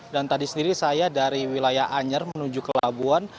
dan tadi sendiri saya dari wilayah anyer menuju ke labuan